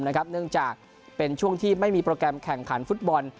เนื่องจากเป็นช่วงที่ไม่มีโปรแกรมแข่งขันฟุตบอล